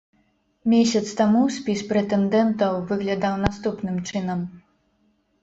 Месяц таму спіс прэтэндэнтаў выглядаў наступным чынам.